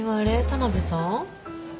田辺さん？